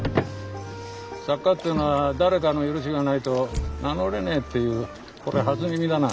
作家っていうのは誰かの許しがないと名乗れねえっていうこりゃ初耳だな。